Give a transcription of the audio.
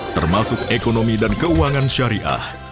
termasuk ekonomi dan keuangan syariah